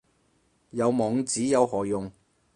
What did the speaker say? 有網址有何用